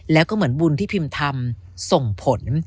แล้วก็เหมือนบุญที่พิมทำส่งผล